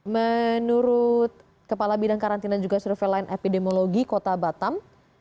menurut kepala bidang karantina juga surveillance epidemiologi kota batam